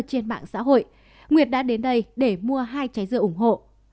trên mạng xã hội nguyệt đã đến đây để mua hai trái dưa ủng hộ